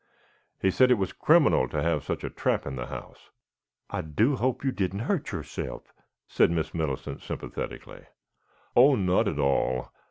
He said it was criminal to have such a trap in the house. "I do hope you didn't hurt yourself," said Miss Millicent sympathetically. "Oh, not at all.